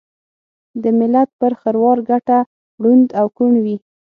دملت پر خروار ګټه ړوند او کوڼ وي